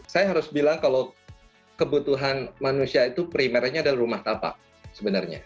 saya harus bilang kalau kebutuhan manusia itu primernya adalah rumah tapak sebenarnya